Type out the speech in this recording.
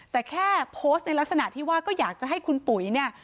แต่แค่โพสต์ในลักษณะที่ว่าก็อยากจะให้คุณปุ๋ยเนี่ย